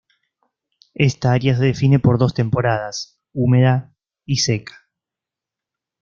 Esta área se define por dos temporadas: húmeda y seca.